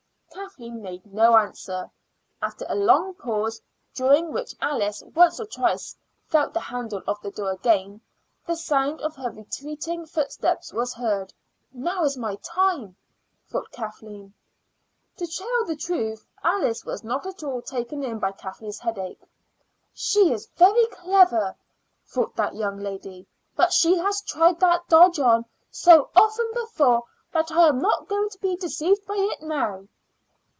Kathleen made no answer. After a long pause, during which Alice once or twice felt the handle of the door again, the sound of her retreating footsteps was heard. "Now is my time," thought Kathleen. To tell the truth, Alice was not at all taken in by Kathleen's headache. "She is very clever," thought that young lady, "but she has tried that dodge on so often before that I am not going to be deceived by it now."